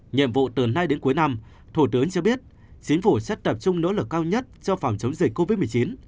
nhiệm vụ từ nay đến cuối năm thủ tướng cho biết chính phủ sẽ tập trung nỗ lực cao nhất cho phòng chống dịch covid một mươi chín